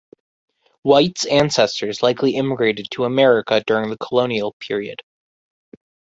White's ancestors likely immigrated to America during the Colonial period.